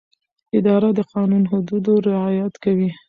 اداره د قانوني حدودو رعایت کوي.